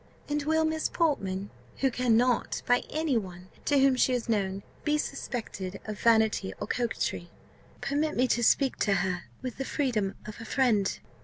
"And will Miss Portman, who cannot, by any one to whom she is known, be suspected of vanity or coquetry, permit me to speak to her with the freedom of a friend?"